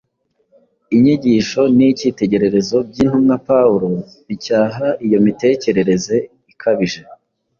Inyigisho n’icyitegererezo by’intumwa Pawulo bicyaha iyo mitekerereze ikabije.